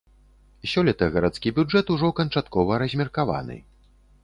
Сёлета гарадскі бюджэт ужо канчаткова размеркаваны.